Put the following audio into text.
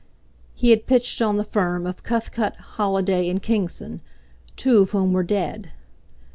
He had pitched on the firm of Cuthcott, Holliday and Kingson, two of whom were dead.